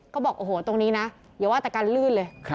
ก็บอกตรงนี้นะอย่าว่าแต่กันลื่นเลย